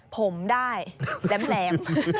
ผมได้แหลม